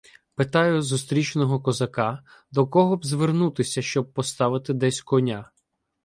Питаю зустрічного козака, до кого б звернутися, щоб поставити десь коня.